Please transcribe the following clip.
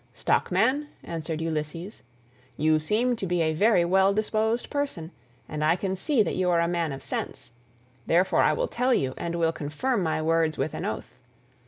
"Stockman," answered Ulysses, "you seem to be a very well disposed person, and I can see that you are a man of sense. Therefore I will tell you, and will confirm my words with an oath.